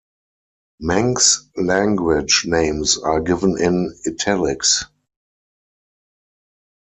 Manx language names are given in "italics".